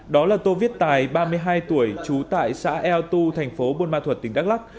đó là tô viết tài ba mươi hai tuổi trú tại xã ea tu thành phố buôn ma thuật tỉnh đắk lắc